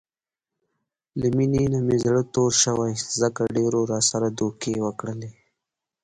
له مینې نه مې زړه تور شوی، ځکه ډېرو راسره دوکې وکړلې.